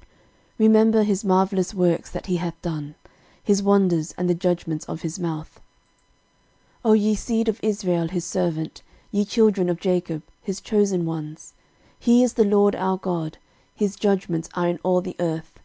13:016:012 Remember his marvellous works that he hath done, his wonders, and the judgments of his mouth; 13:016:013 O ye seed of Israel his servant, ye children of Jacob, his chosen ones. 13:016:014 He is the LORD our God; his judgments are in all the earth.